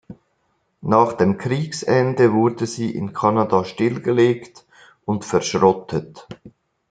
Nach dem Kriegsende wurde sie in Kanada stillgelegt und verschrottet.